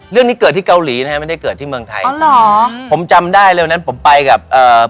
เรื่องนี้เกิดที่เกาหลีนะฮะไม่ได้เกิดที่เมืองไทยหรอผมจำได้เร็วนั้นผมไปกับเอ่อ